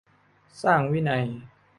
สร้างวินัย